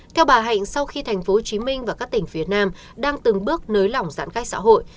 theo bà hạnh sau khi tp hcm và các tỉnh phía nam đang từng bước nới lỏng giãn cách xã hội